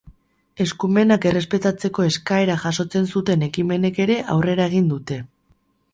Eskumenak errespetatzeko eskaera jasotzen zuten ekimenek ere aurrera egin dute.